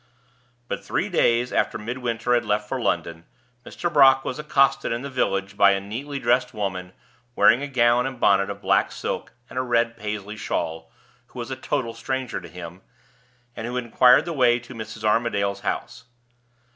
But three days after Midwinter had left for London, Mr. Brock was accosted in the village by a neatly dressed woman, wearing a gown and bonnet of black silk and a red Paisley shawl, who was a total stranger to him, and who inquired the way to Mrs. Armadale's house.